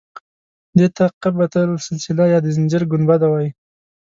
دې ته قبة السلسله یا د زنځیر ګنبده وایي.